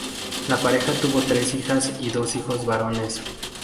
La pareja tuvo tres hijas y dos hijos varones.